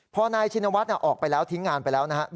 พอนายชินวัฒน์ออกไปแล้วทิ้งงานไปแล้วนะครับ